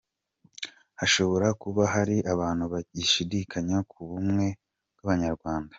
Hashobora kuba hari abantu bagishidikanya ku bumwe bw’abanyarwanda.